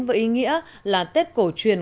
với ý nghĩa là tết cổ truyền